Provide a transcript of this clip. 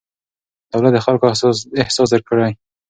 دولت د خلکو احساس درک کړي.